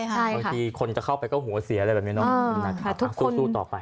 บางทีคนจะเข้าไปก็หัวเสียแบบนี้สู้ต่อไป